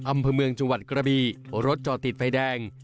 อำเภอเมืองจังหวัดกระบีรถจอติดไฟแดง